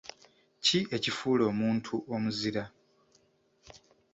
Ki ekifuula omuntu omuzira?